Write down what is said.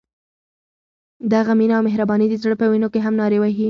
دغه مینه او مهرباني د زړه په وینو کې هم نارې وهي.